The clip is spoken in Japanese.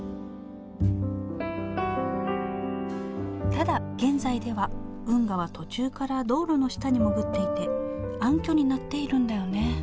ただ現在では運河は途中から道路の下に潜っていて暗渠になっているんだよね